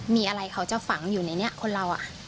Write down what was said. มีอะไรเขาจะฝังอยู่ในนี้คนเรา